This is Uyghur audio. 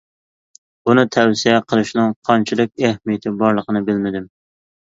بۇنى تەۋسىيە قىلىشنىڭ قانچىلىك ئەھمىيىتى بارلىقىنى بىلمىدىم.